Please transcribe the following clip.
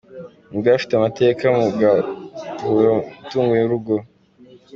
Umugore afite amateka mu gusahura imitungo y’urugo.